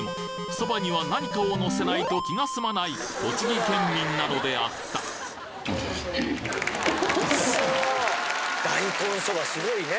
そばには何かをのせないと気が済まない栃木県民なのであった大根そばすごいね。